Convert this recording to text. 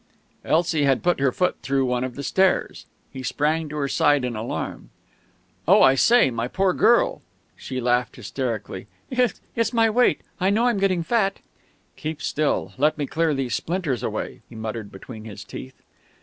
Elsie had put her foot through one of the stairs. He sprang to her side in alarm. "Oh, I say! My poor girl!" She laughed hysterically. "It's my weight I know I'm getting fat " "Keep still let me clear these splinters away," he muttered between his teeth.